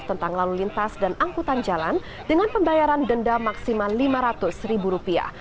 tentang lalu lintas dan angkutan jalan dengan pembayaran denda maksimal lima ratus ribu rupiah